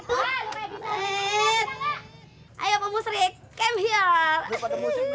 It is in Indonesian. kembali ke musim kemurtaan